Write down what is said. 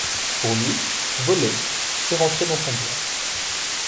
Pour lui, voler, c’est rentrer dans son bien.